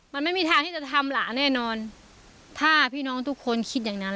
มันไม่มีทางที่จะทำหลานแน่นอนถ้าพี่น้องทุกคนคิดอย่างนั้น